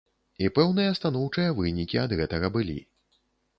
І пэўныя станоўчыя вынікі ад гэтага былі.